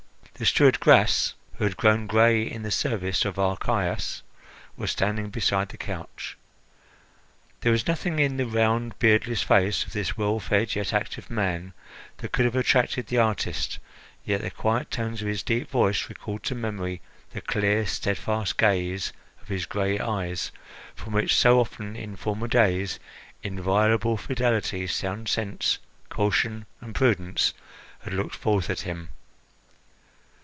The steward Gras, who had grown gray in the service of Archias, was standing beside the couch. There was nothing in the round, beardless face of this well fed yet active man that could have attracted the artist, yet the quiet tones of his deep voice recalled to memory the clear, steadfast gaze of his gray eyes, from which so often, in former days, inviolable fidelity, sound sense, caution, and prudence had looked forth at him.